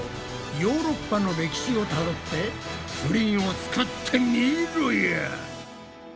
ヨーロッパの歴史をたどってプリンを作ってみろや！